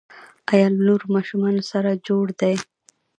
ایا له نورو ماشومانو سره جوړ دي؟